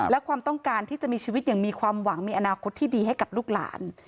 และความต้องการที่จะมีชีวิตอย่างมีความหวังมีอนาคตที่ดีให้กับลูกหลาน